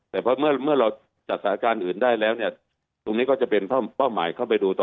แต่เมื่อเราจัดสถานการณ์อื่นได้แล้วเนี่ยตรงนี้ก็จะเป็นเป้าหมายเข้าไปดูต่อ